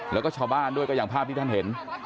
แล้วก็ชาวบ้านด้วยก็อย่างภาพที่ท่านเห็น